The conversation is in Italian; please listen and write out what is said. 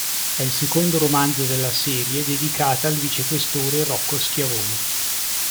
È il secondo romanzo della serie dedicata al vicequestore Rocco Schiavone.